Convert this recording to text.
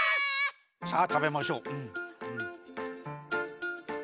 さあ食べましょう。